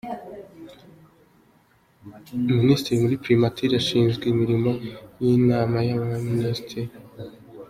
Minisitiri muri Primature ushinzwe Imirimo y’Inama y’Abaminisitiri